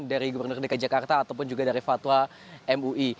dari gubernur dki jakarta ataupun juga dari fatwa mui